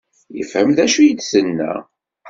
Yefhem d acu i d-tenna?